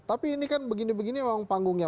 tapi ini kan begini begini memang panggungnya